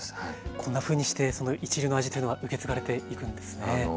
こんなふうにして一流の味というのは受け継がれていくんですね。